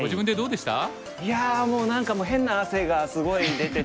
いやもう何か変な汗がすごい出て。